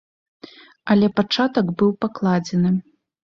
Але пачатак быў пакладзены.